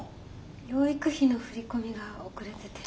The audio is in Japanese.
養育費の振り込みが遅れてて。